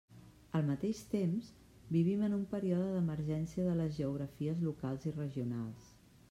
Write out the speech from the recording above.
Al mateix temps, vivim en un període d'emergència de les geografies locals i regionals.